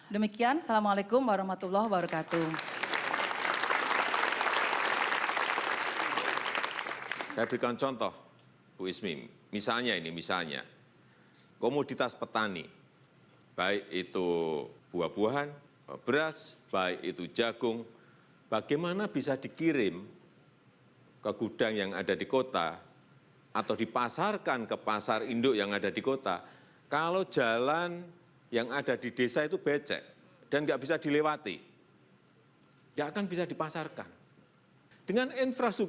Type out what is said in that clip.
demikian assalamu'alaikum warahmatullahi wabarakatuh